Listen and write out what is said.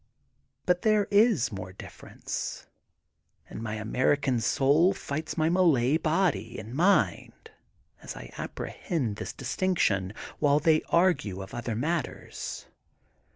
But there is more difference and my Ameri can soul fights my Malay body and mind, as I apprehend this LtinctL, while they ar^ of other matters.